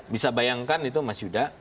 bisa bayangkan itu mas yuda